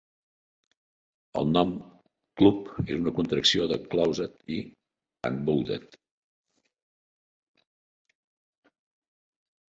El nom "club" és una contracció de "closed" i "unbounded".